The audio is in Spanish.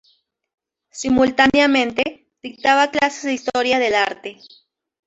Simultáneamente, dictaba clases de Historia del Arte.